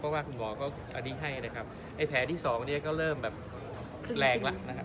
เพราะว่าคุณหมอก็อันนี้ให้นะครับไอ้แผลที่สองเนี่ยก็เริ่มแบบแรงแล้วนะครับ